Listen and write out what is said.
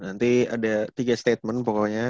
nanti ada tiga statement pokoknya